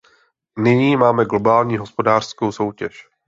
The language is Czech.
Nyní máme globální hospodářskou soutěž.